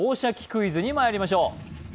クイズ」にまいりましょう。